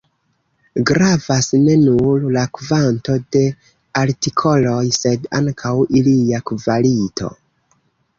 Gravas ne nur la kvanto de artikoloj, sed ankaŭ ilia kvalito.